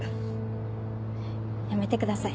やめてください。